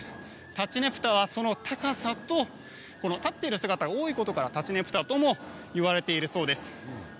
たちねぷたはその高さと立っている姿が多いことからたちねぷたともいわれているそうです。